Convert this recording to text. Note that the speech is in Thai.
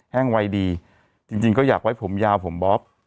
แห้งวัยดีจริงจริงก็อยากไว้ผมยาวผมบอฟ